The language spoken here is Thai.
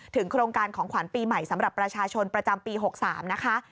โครงการของขวัญปีใหม่สำหรับประชาชนประจำปี๖๓นะคะ